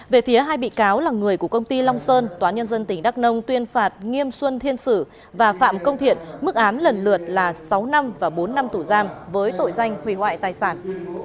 về phía hai bị cáo là người của công ty long sơn tòa nhân dân tỉnh đắk nông tuyên phạt nghiêm xuân thiên sử và phạm công thiện mức án lần lượt là sáu năm và bốn năm tù giam với tội danh hủy hoại tài sản